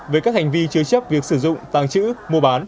về các hành vi chứa chấp việc sử dụng tàng trữ mua bán